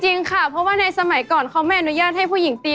จริงค่ะเพราะว่าในสมัยก่อนเขาไม่อนุญาตให้ผู้หญิงตี